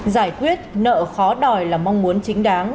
giải quyết nợ khó đòi là mong muốn chính đáng